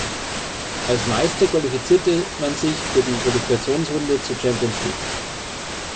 Als Meister qualifizierte man sich für die Qualifikationsrunde zur Champions League.